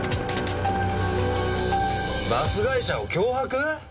バス会社を脅迫？